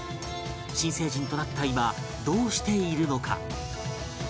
新成人となった今どうしているのか？